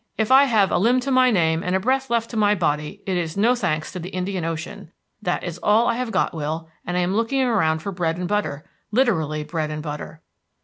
If I have a limb to my name and a breath left to my body, it is no thanks to the Indian Ocean. That is all I have got, Will, and I am looking around for bread and butter, literally bread and butter."